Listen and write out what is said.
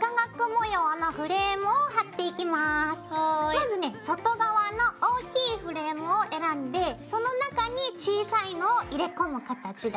まずね外側の大きいフレームを選んでその中に小さいのを入れ込む形だよ。